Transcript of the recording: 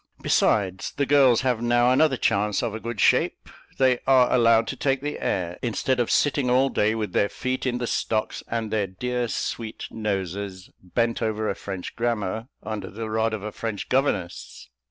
Besides, the girls have now another chance of a good shape; they are allowed to take the air, instead of sitting all day, with their feet in the stocks and their dear sweet noses bent over a French grammar, under the rod of a French governess."